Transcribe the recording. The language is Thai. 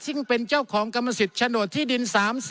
ซึ่งเป็นเจ้าของกรรมสิทธิ์โฉนดที่ดิน๓๐